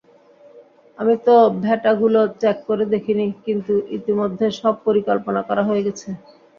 আমি তো ডেটাগুলো চেক করে দেখিনি, কিন্তু ইতোমধ্যেই সব পরিকল্পনা করা হয়ে গেছে!